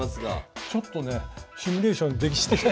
ちょっとねシミュレーションしてないから。